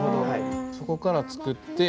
そこから作って。